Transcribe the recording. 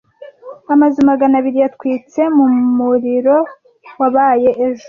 Amazu magana abiri yatwitse mu muriro wabaye ejo.